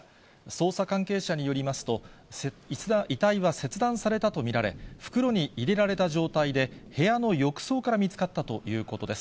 捜査関係者によりますと、遺体は切断されたと見られ、袋に入れられた状態で部屋の浴槽から見つかったということです。